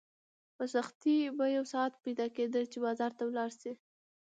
په سختۍ به یو ساعت وخت پیدا کېده چې بازار ته ولاړ شې.